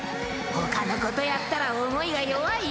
ほかの子とやったら思いが弱い？